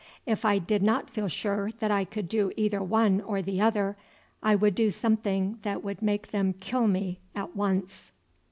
If I did not feel sure that I could do either one or the other, I would do something that would make them kill me at once."